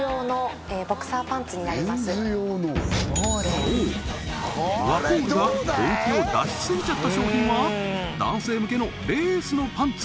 そうワコールが本気を出しすぎちゃった商品は男性向けのレースのパンツ